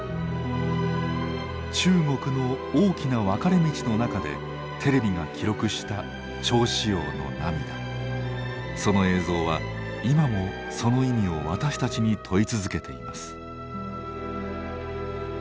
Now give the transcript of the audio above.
中国の大きな分かれ道の中でテレビが記録したその映像は今もその意味を私たちに問い続けています。